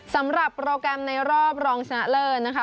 สำหรับโปรแกรมในรอบรองชนะเลิศนะคะ